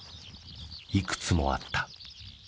いくつもあった。